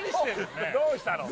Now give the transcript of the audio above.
どうしたの？